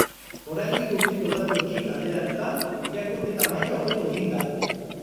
Orain hiru urteko datuekin alderatuta irakurketa maila hobetu egin da.